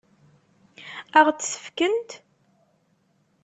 Ad ɣ-t-fkent?